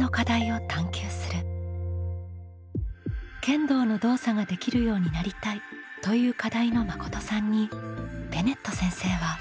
「剣道の動作ができるようになりたい」という課題のまことさんにベネット先生は。